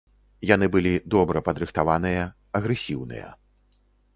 Яны былі добра падрыхтаваныя, агрэсіўныя.